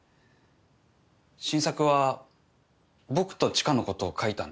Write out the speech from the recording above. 新作は僕と知花のことを描いたんだ。